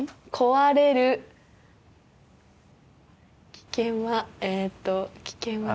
危険はえっと危険は。